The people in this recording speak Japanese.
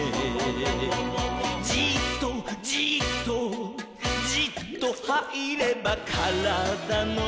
「じっとじっとじっとはいればからだの」